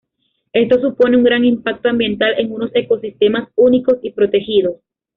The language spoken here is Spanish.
Esto supone un gran impacto ambiental en unos ecosistemas únicos y protegidos.